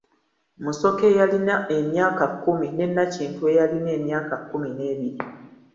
Musoke eyalina emyaka kkumi ne Nakintu eyalina emyaka kkumi n'ebiri.